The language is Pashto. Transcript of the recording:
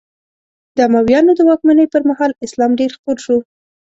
د امویانو د واکمنۍ پر مهال اسلام ډېر خپور شو.